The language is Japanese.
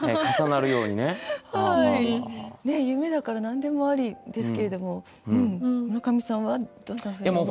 夢だから何でもありですけれども村上さんはどんなふうに思いました？